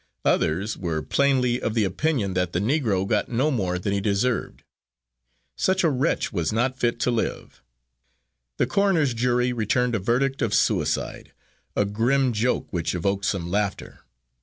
Others were plainly of the opinion that the Negro got no more than he deserved; such a wretch was not fit to live. The coroner's jury returned a verdict of suicide, a grim joke which evoked some laughter.